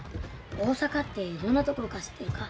大阪ってどんな所か知ってるか？